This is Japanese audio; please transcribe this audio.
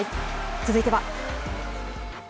続いては。